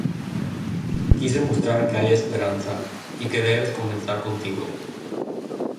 Quise mostrar que hay esperanza, y que debes comenzar contigo.